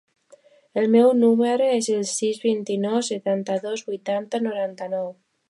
El meu número es el sis, vuitanta-nou, setanta-dos, vuitanta, noranta-nou.